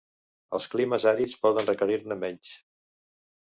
Els climes àrids poden requerir-ne menys.